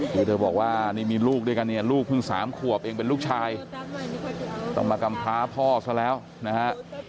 คือเธอบอกว่านี่มีลูกด้วยกันเนี่ยลูกเพิ่ง๓ขวบเองเป็นลูกชายต้องมากำพร้าพ่อซะแล้วนะฮะ